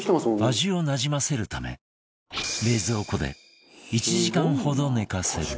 味をなじませるため冷蔵庫で１時間ほど寝かせる